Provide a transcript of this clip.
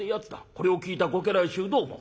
これを聞いたご家来衆どう思う？